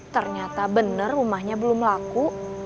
ternyata benar rumahnya belum laku